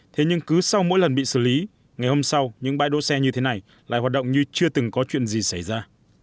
thế nhưng cứ sau mỗi lần bị xử lý ngày hôm sau những bãi đỗ xe như thế này lại hoạt động như chưa từng có chuyện gì xảy ra